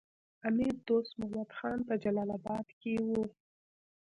امیر دوست محمد خان په جلال اباد کې وو.